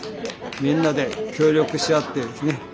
みんなで協力し合ってですね